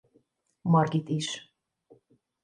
Margit is.